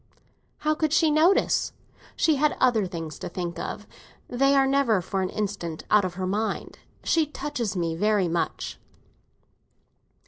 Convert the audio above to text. "How could she notice? She had other things to think of; they are never for an instant out of her mind. She touches me very much."